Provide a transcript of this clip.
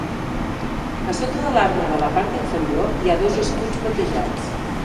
A sota de l'arma de la part inferior hi ha dos escuts platejats.